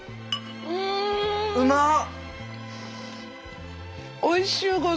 うまっ！